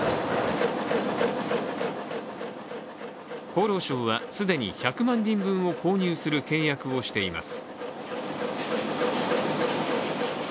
厚労省は既に１００万人分を購入する契約をしています。